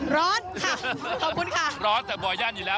ร้อนค่ะถูกคุณค่ะร้อนได้มาขนาดสี่แล้ว